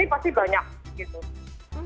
ini pasti banyak gitu